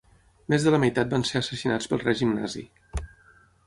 Més de la meitat van ser assassinats pel règim nazi.